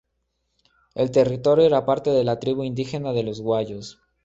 El territorio era parte de la tribu indígena de los Guayos.